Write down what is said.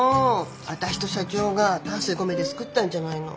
私と社長が丹精込めて作ったんじゃないの。